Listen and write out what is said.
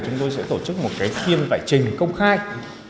chúng tôi sẽ tổ chức một phiên giải trình công khai